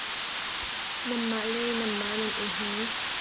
Nanmah le nanmah nan i hmu.